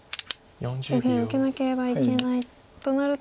右辺受けなければいけないとなると。